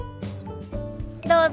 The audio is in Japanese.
どうぞ。